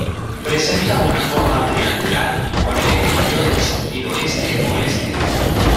Presenta una forma triangular con el eje mayor en sentido este-oeste.